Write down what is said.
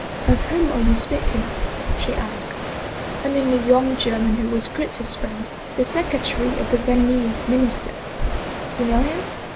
" Of whom are you speaking?" she asked. " I mean the young German who was Gritti's friend, the secretary of the Viennese minister. You know him